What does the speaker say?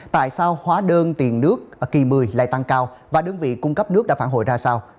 tại sao hóa đơn tiền nước kỳ một mươi lại tăng cao và đơn vị cung cấp nước đã phản hồi ra sao